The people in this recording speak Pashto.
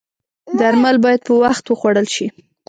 درمل باید په وخت وخوړل شي